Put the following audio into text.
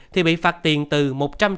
thì bị phạt tiền từ năm mươi triệu đồng